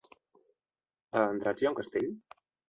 A Andratx hi ha un castell?